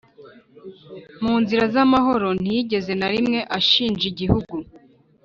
mu nzira z'amahoro. ntiyigeze na rimwe ashinja igihugu